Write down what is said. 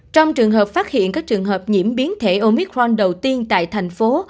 trong trường hợp phát hiện các trường hợp nhiễm biến thể omitron đầu tiên tại thành phố